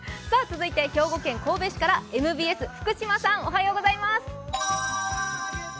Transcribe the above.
兵庫県神戸市からＭＢＳ、福島さん、おはようございます。